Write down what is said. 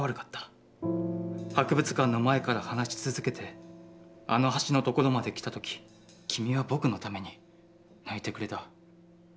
博物館の前から話しつづけて、あの橋の所まで来た時、君は僕のために泣いてくれた。